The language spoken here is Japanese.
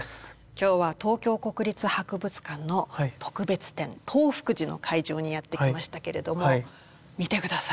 今日は東京国立博物館の特別展東福寺の会場にやって来ましたけれども見て下さい。